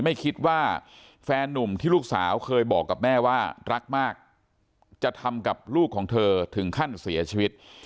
ไม่คิดว่าแฟนนุ่มที่ลูกสาวเคยบอกกับแม่ว่ารักมากจะทำกับลูกของเธอถึงขั้นเสียชีวิต